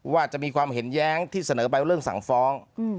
ว่าจะมีความเห็นแย้งที่เสนอไปว่าเรื่องสั่งฟ้อง